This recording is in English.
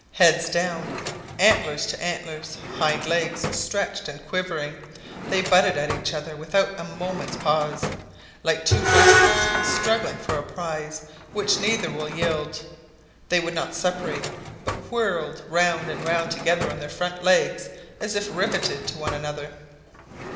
Heads down, antlers to antlers, hind legs stretched and quivering, they butted at each other without a moment's pause. Like two wrestlers struggling for a prize which neither will yield, they would not separate, but whirled round and round together on their front legs as if riveted to one another.